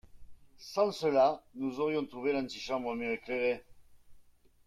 Sans cela, nous aurions trouvé l’antichambre mieux éclairée.